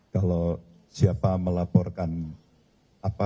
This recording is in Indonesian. kalau siapa melaporkan apa